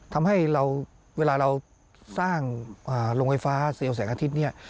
ทำให้เวลาเราสร้างโรงไฟฟ้าเซลล์แสงอาทิตย์เนี่ย